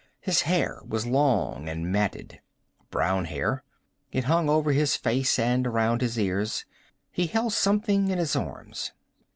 His hair was long and matted. Brown hair. It hung over his face and around his ears. He held something in his arms.